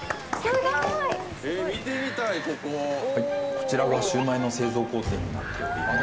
こちらがシウマイの製造工程になっております。